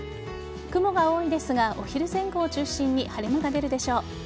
雲が多いですがお昼前後を中心に晴れ間が出るでしょう。